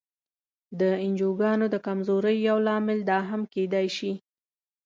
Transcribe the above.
د انجوګانو د کمزورۍ یو لامل دا هم کېدای شي.